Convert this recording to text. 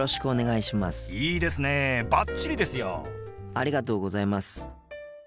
ありがとうございます。